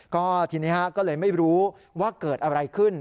ก็ทีนี้ก็เลยไม่รู้ว่าเกิดอะไรขึ้น